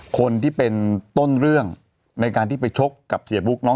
คนที่เป็นต้นเรื่องในการที่ไปชกกับเสียบุ๊กน้อง